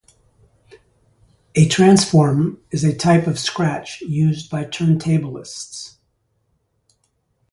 A transform is a type of scratch used by turntablists.